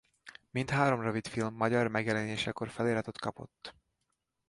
Mindhárom rövidfilm magyar megjelenésekor feliratot kapott.